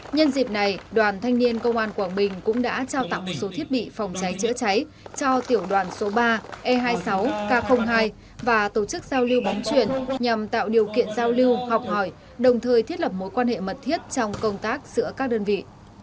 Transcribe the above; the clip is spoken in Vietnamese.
nhân dịp này đoàn thanh niên công an quảng bình cũng đã trao tặng một số thiết bị phòng cháy chữa cháy cho tiểu đoàn số ba e hai mươi sáu k hai và tổ chức giao lưu bóng chuyển nhằm tạo điều kiện giao lưu học hỏi đồng thời thiết lập mối quan hệ mật thiết trong công tác giữa các đơn vị